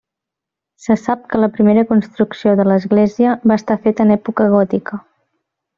Se sap que la primera construcció de l'església va estar feta en època gòtica.